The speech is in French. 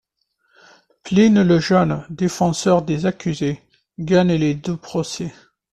Pline le Jeune, défenseur des accusés, gagne les deux procès.